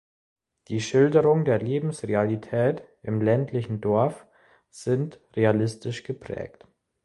Die Schilderung der Lebensrealität im ländlichen Dorf sind realistisch geprägt.